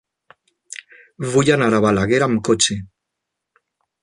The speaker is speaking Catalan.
Vull anar a Balaguer amb cotxe.